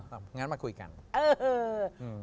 งั้นมาคุยกันเอออืม